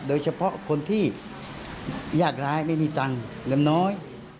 โดยเฉพาะคนที่ยากร้ายไม่มีตังค์เงินน้อย